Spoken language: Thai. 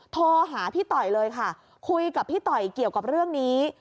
โทรหาพี่ต่อยเลยค่ะคุยกับพี่ต่อยเกี่ยวกับเรื่องนี้